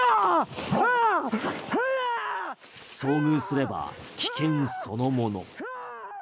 遭遇すれば危険そのもの。